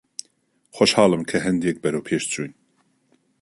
خۆشحاڵم کە هەندێک بەرەو پێش چووین.